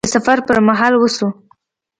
د سفر پر مهال وشو